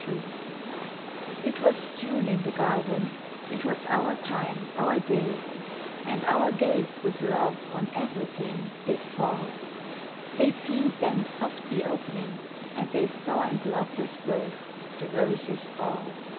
XXII It was June in the garden, It was our time, our day; And our gaze with love on everything Did fall; They seemed then softly opening, And they saw and loved us both, The roses all.